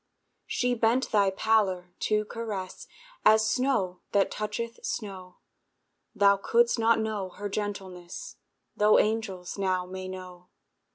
She bent thy pallor to caress, As snow that toucheth snow; Thou couldst not know her gentleness, Tho' angels now may know.